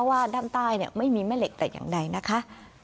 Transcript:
ว่าด้านใต้ไม่มีแม่เหล็กแต่อย่างใดนะคะ